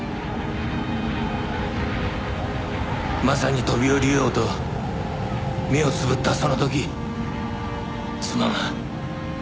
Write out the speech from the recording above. まさに飛び降りようと目をつぶったその時妻が。